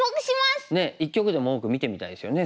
一局でも多く見てみたいですよね